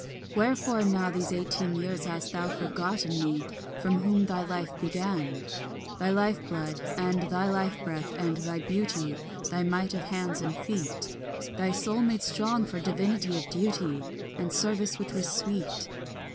Wherefore now these eighteen years hast thou forgotten me, From whom thy life began? Thy life blood and thy life breath and thy beauty, Thy might of hands and feet, Thy soul made strong for divinity of duty And service which was sweet.